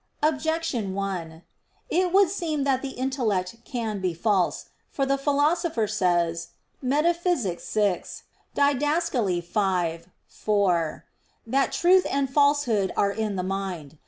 Objection 1: It would seem that the intellect can be false; for the Philosopher says (Metaph. vi, Did. v, 4) that "truth and falsehood are in the mind."